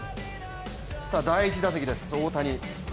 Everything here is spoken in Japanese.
第１打席です、大谷。